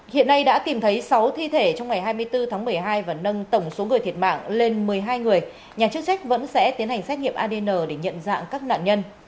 hiện nay đã tìm thấy sáu thi thể trong ngày hai mươi bốn tháng một mươi hai và nâng tổng số người thiệt mạng lên một mươi hai người nhà chức trách vẫn sẽ tiến hành xét nghiệm adn để nhận dạng các nạn nhân